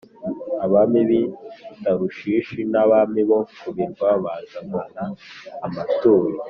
abami b’i tarushishi n’abami bo ku birwa bazazana amaturo.